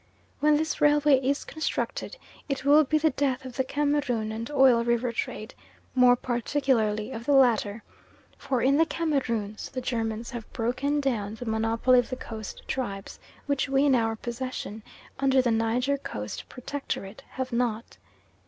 When this railway is constructed, it will be the death of the Cameroon and Oil River trade, more particularly of the latter, for in the Cameroons the Germans have broken down the monopoly of the coast tribes, which we in our possessions under the Niger Coast Protectorate have not.